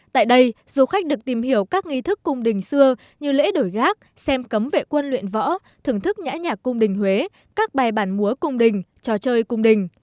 tại đây du khách được tìm hiểu các nghi thức cung đình xưa như lễ đổi gác xem cấm vệ quân luyện võ thưởng thức nhã nhạc cung đình huế các bài bản múa cung đình trò chơi cung đình